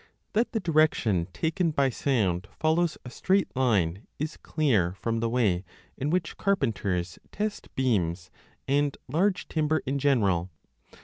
That the direction taken by sound follows a straight line is clear from the way in which carpenters test beams and large timber in general.